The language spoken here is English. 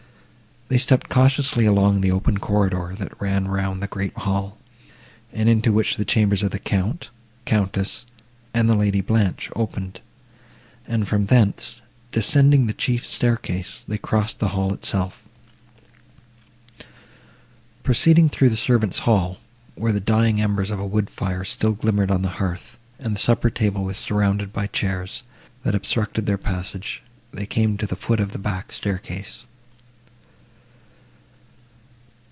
They stepped cautiously along the open corridor, that ran round the great hall, and into which the chambers of the Count, Countess, and the Lady Blanche, opened, and, from thence, descending the chief staircase, they crossed the hall itself. Proceeding through the servants hall, where the dying embers of a wood fire still glimmered on the hearth, and the supper table was surrounded by chairs, that obstructed their passage, they came to the foot of the back staircase.